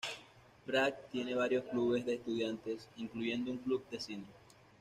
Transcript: Pratt tiene varios clubes de estudiantes, incluyendo un Club de Cine.